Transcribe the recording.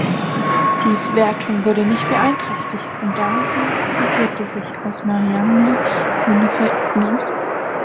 Die Wertung wurde nicht beeinträchtigt, und Daisy korrigierte sich, als Mariangel die Bühne verließ.